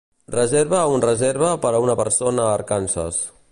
Reserva un reserva per a una persona a Arkansas